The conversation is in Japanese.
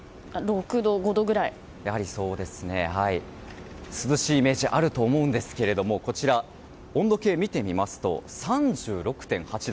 やはり涼しいイメージがあると思いますが温度計を見てみますと３６．８度。